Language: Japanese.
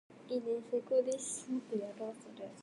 いいねーー最高です